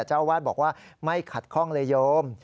เจ้าอาวาสบอกว่าไม่ขัดข้องเลยโยม